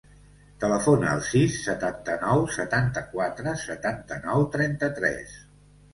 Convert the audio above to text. Telefona al sis, setanta-nou, setanta-quatre, setanta-nou, trenta-tres.